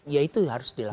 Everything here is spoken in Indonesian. ya itu harus dilakukan